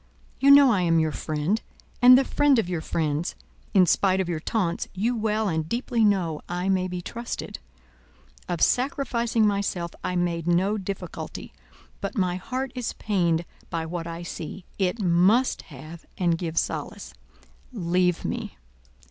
You know I am your friend, and the friend of your friends; in spite of your taunts, you well and deeply know I may be trusted. Of sacrificing myself I made no difficulty but my heart is pained by what I see; it must have and give solace. _Leave me!